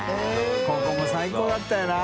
ここも最高だったよな。